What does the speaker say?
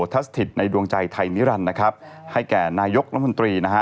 ทัศถิตในดวงใจไทยนิรันดิ์นะครับให้แก่นายกรัฐมนตรีนะฮะ